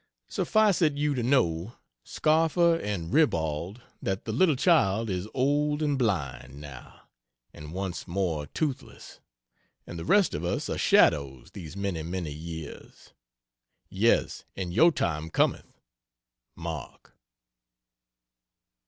Suffice it you to know, scoffer and ribald, that the little child is old and blind, now, and once more toothless; and the rest of us are shadows, these many, many years. Yes, and your time cometh! MARK.